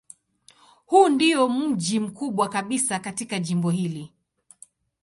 Huu ndiyo mji mkubwa kabisa katika jimbo hili.